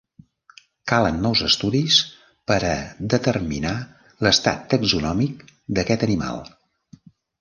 Calen nous estudis per a determinar l'estat taxonòmic d'aquest animal.